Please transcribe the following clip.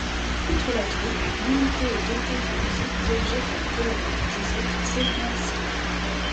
Outre la troupe, l'unité est dotée d'une musique dirigée par le Polonais Joseph Czernesky.